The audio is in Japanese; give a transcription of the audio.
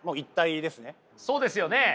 そうですよね。